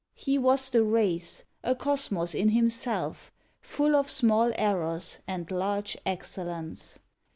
He was the race a cosmos in himself, Full of small errors and large excellence.